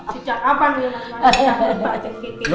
si cakapan dulu